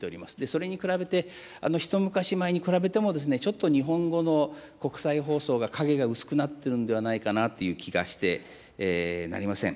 それに比べて、一昔前に比べても、ちょっと日本語の国際放送が影が薄くなってるんではないかなという気がしてなりません。